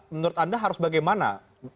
menurut anda harus bagaimana